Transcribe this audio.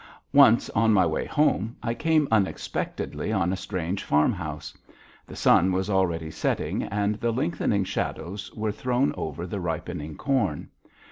Once on my way home I came unexpectedly on a strange farmhouse. The sun was already setting, and the lengthening shadows were thrown over the ripening corn.